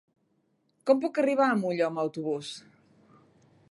Com puc arribar a Molló amb autobús?